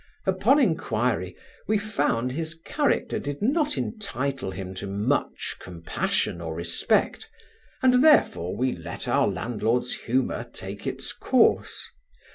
Upon enquiry, we found his character did not intitle him to much compassion or respect, and therefore we let our landlord's humour take its course.